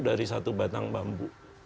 dari satu batang bambu